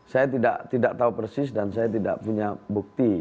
saya tidak tahu persis dan saya tidak punya bukti